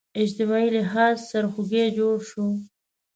اجتماعي لحاظ سرخوږی جوړ شو